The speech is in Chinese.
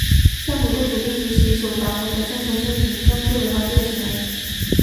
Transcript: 政府对土地及所属房屋的征收是民众最为关注的行为。